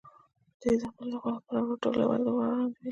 دوی دې د خپلې خوښې پاراګراف ټولګیوالو په وړاندې ولولي.